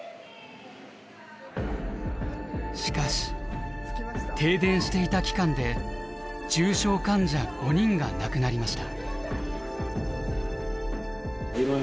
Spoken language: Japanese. しかし停電していた期間で重症患者５人が亡くなりました。